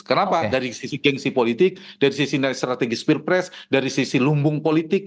kenapa dari sisi gengsi politik dari sisi strategis pilpres dari sisi lumbung politik